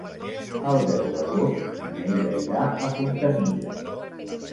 El deu d'agost na Neida irà a Fontanilles.